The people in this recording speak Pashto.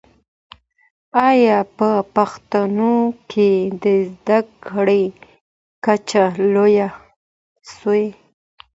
آیا په پښتنو کي د زده کړې کچه لوړه سوې؟